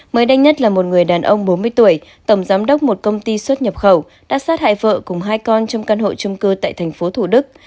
mới đánh nhất là một người đàn ông bốn mươi tuổi tổng giám đốc một công ty xuất nhập khẩu đã sát hại vợ cùng hai con trong căn hộ chung cư tại thành phố thủ đức